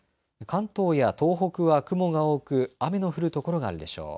関東や東北は雲が多く雨の降る所があるでしょう。